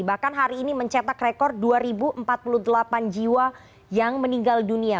bahkan hari ini mencetak rekor dua empat puluh delapan jiwa yang meninggal dunia